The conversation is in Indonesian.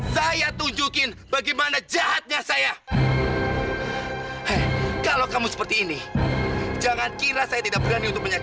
sampai jumpa di video selanjutnya